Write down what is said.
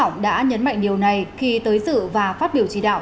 tổng bí thư nguyễn phú trọng đã nhấn mạnh điều này khi tới dự và phát biểu chỉ đạo